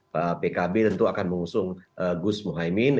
pak pkb tentu akan mengusung gus muhaymin